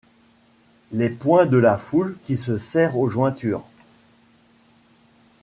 Les poings de la foule qui se serrent aux jointures.